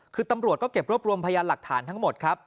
คือตำรวจก็เก็บรวบรวมพยานหลักฐานทั้งหมดครับ